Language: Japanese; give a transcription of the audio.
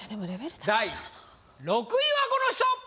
第６位はこの人！